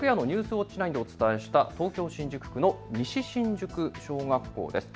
ウォッチ９でお伝えした東京新宿区の西新宿小学校です。